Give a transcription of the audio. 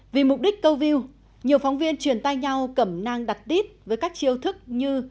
vì mục đích câu view nhiều phóng viên truyền tay nhau cầm nang đặt tít với các chiêu thức như